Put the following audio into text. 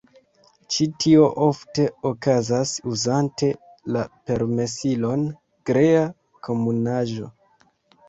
Ĉi tio ofte okazas uzante la permesilon Krea Komunaĵo.